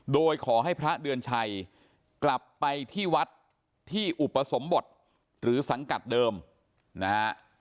โดยขอให้พระเดือนชัยกลับไปที่วัดที่อุปสมบทหรือสังกัดเดิมนะฮะ